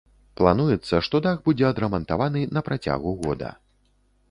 Плануецца, што дах будзе адрамантаваны на працягу года.